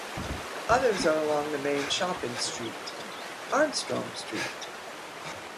Others are along the main shopping street, Armstrong Street.